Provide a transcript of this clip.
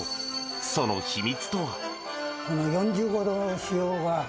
その秘密とは？